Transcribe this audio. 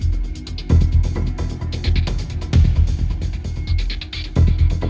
กลัวเก่ง